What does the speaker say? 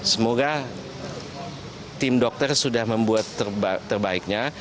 semoga tim dokter sudah membuat terbaiknya